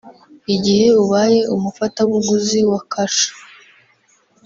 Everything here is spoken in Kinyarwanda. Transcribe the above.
Igihe ubaye umufatabuguzi wa Kasha